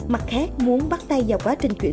mặt khác muốn bắt tay vào quá trình chuyển